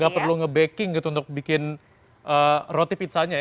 gak perlu nge baking gitu untuk bikin roti pizzanya ya